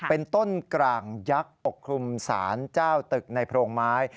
เป็นต้นกลางยักษ์ปกคลุมศาลเจ้าตึกในโพรงไม้